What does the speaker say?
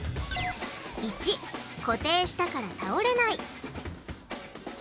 ①固定したから倒れない